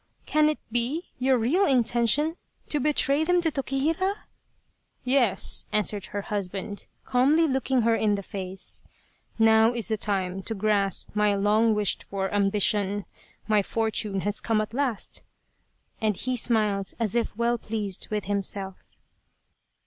" Can it be your real intention to betray them to Tokihira ?"" Yes," answered her husband, calmly looking her in the face, " now is the time to grasp my long wished for ambition my fortune has come at last," and he smiled as if well pleased with himself.